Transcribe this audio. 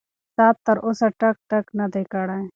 ساعت تر اوسه ټک ټک نه دی کړی.